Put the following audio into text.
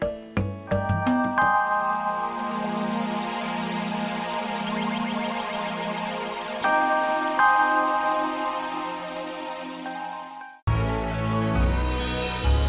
tunggu tuhan olah semuanya favorite nya itu louise